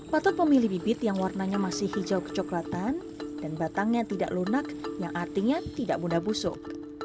patut memilih bibit yang warnanya masih hijau kecoklatan dan batangnya tidak lunak yang artinya tidak mudah busuk